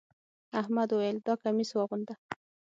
احمد وويل: دا کميس واغونده.